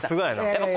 やっぱ